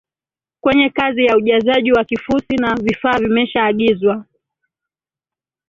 kwenye kazi ya ujazaji wa kifusi na vifaa vimeshaagizwa